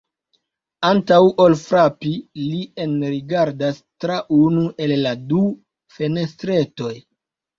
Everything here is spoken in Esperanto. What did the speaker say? Antaŭ ol frapi, li enrigardas tra unu el la du fenestretoj.